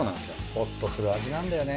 ほっとする味なんだよね。